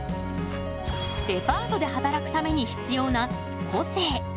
デパートで働くために必要な個性。